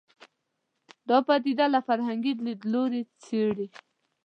دا پدیده له فرهنګي لید لوري څېړي